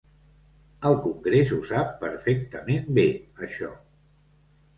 El congrés ho sap perfectament bé, això.